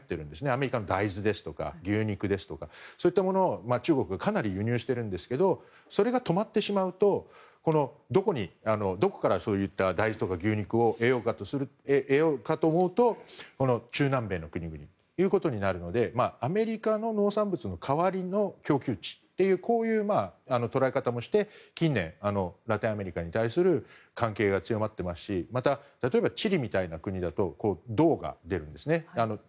アメリカの大豆ですとか牛肉ですとかそういったものを中国がかなり輸入しているんですがそれが止まってしまうとどこからそういった大豆とか牛乳を得ようかと思うと、中南米の国々ということになるのでアメリカの農産物の代わりの供給地という捉え方もして近年、ラテンアメリカに対する関係が強まっていますしまた、例えばチリみたいな国だと銅が出るんです。